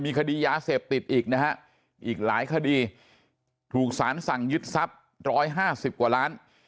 คดียาเสพติดอีกนะฮะอีกหลายคดีถูกสารสั่งยึดทรัพย์๑๕๐กว่าล้าน